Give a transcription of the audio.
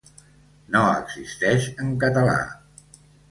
No existeix en català.